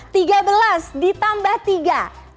tiga belas ditambah tiga ditambah satu dikali tujuh